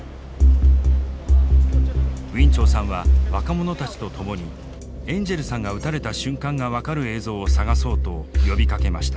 ウィン・チョウさんは若者たちと共にエンジェルさんが撃たれた瞬間が分かる映像を探そうと呼びかけました。